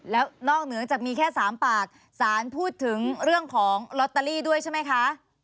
แล้วนอกเหนือจากมีแค่๓ปากสารพูดถึงเรื่องของลอตเตอรี่ด้วยใช่ไหมคะ